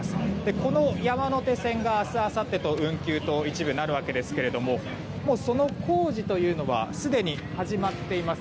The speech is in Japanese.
この山手線が明日、あさってと一部運休となるわけですがもうその工事がすでに始まっています。